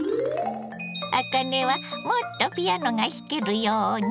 あかねは「もっとピアノがひけるように」。